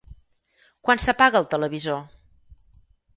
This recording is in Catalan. Quan s'apaga el televisor?